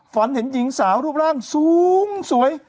ฝันเห็นหญิงสาวรูปร่างสูงสวย